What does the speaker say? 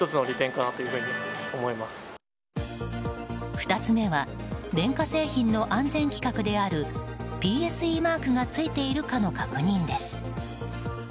２つ目は電化製品の安全規格であるＰＳＥマークが付いているかの確認です。